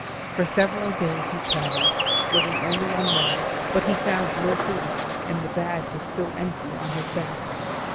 For several days he travelled, living only on water; but he found no food, and the bag was still empty on his back.